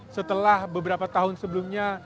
setelah beberapa tahun sebelumnya